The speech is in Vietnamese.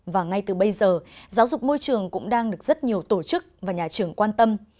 và ngay từ bây giờ giáo dục môi trường cũng đang được rất nhiều tổ chức và nhà trưởng kết thúc